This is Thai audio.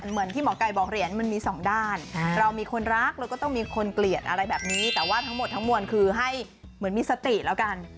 เหมือนที่หมอไก่บอกเหรียญมันมีสองด้านเรามีคนรักแล้วก็ต้องมีคนเกลียดอะไรแบบนี้แต่ว่าทั้งหมดทั้งมวลคือให้เหมือนมีสติแล้วกัน